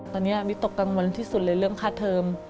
ตอนนี้วิตกกังวลที่สุดเลยเรื่องค่าเทอม